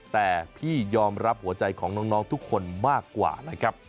แต่พี่ยอมรับหัวใจของน้องทุกคนมากกว่านะครับ